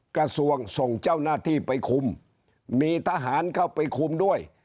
กระทรวงส่งเจ้าหน้าที่ไปคุมมีทหารเข้าไปคุมด้วย